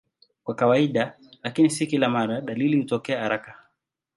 Kwa kawaida, lakini si kila mara, dalili hutokea haraka.